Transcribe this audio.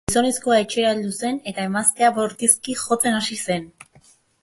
Gizonezkoa etxera heldu zen, eta emaztea bortizki jotzen hasi zen.